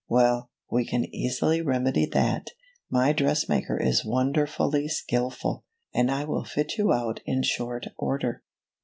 Well, we can easily remedy that. My dress maker is wonderfully skilful, and will fit you out in short order."